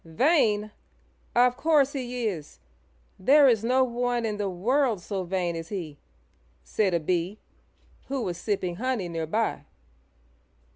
"Vain! Of course he is. There is no one in the world so vain as he," said a Bee, who was sipping honey near by.